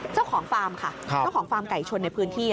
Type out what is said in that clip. ฟาร์มค่ะเจ้าของฟาร์มไก่ชนในพื้นที่